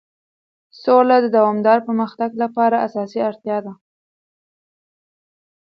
سوله د دوامدار پرمختګ لپاره اساسي اړتیا ده.